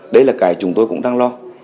đây là cái chúng tôi cũng đang lo